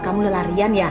kamu lelarian ya